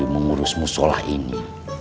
mengurus musyolah ini